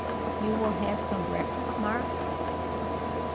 "You will have some breakfast, Mark?"